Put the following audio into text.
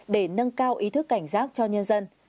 để nâng cao ý thức cảnh giác cho nhân dân